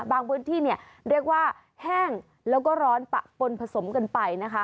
พื้นที่เรียกว่าแห้งแล้วก็ร้อนปะปนผสมกันไปนะคะ